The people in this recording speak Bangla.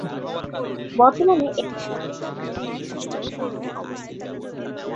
বর্তমানে, এটির সদর দফতর ম্যানচেস্টার শহরে অবস্থিত।